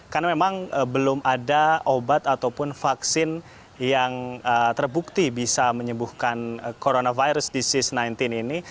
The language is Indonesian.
karena memang belum ada obat ataupun vaksin yang terbukti bisa menyebuhkan coronavirus disease sembilan belas ini